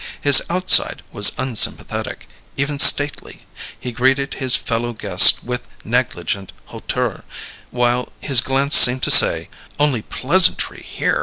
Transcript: His outside was unsympathetic, even stately; he greeted his fellow guests with negligent hauteur, while his glance seemed to say: "Only peasantry here!"